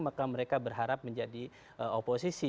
maka mereka berharap menjadi oposisi